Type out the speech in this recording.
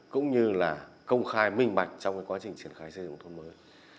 cũng như là công khai minh bạch trong quá trình triển khai xây dựng thôn mới